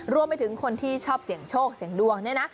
ร่วมไปถึงคนที่ชอบเสียงโชคเสียงดวง